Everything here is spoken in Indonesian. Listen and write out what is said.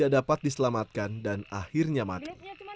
dan akhirnya mati